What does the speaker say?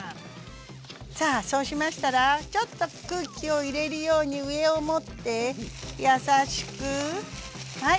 さあそうしましたらちょっと空気を入れるように上を持って優しくはい。